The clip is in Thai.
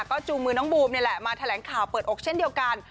ก็จูงมือน้องบูมนี่แหละมาแถลงข่าวเปิดอกเช่นเดียวกัน